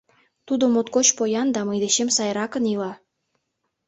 Тудо моткоч поян да мый дечем сайракын ила.